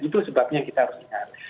itu sebabnya kita harus ingat